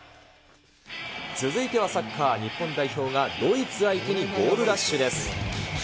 続いてはサッカー、日本代表がドイツ相手にゴールラッシュです。